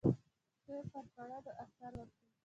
دوی پر کړنو اثر وکړي.